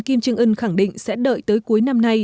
kim trương ưn khẳng định sẽ đợi tới cuối năm nay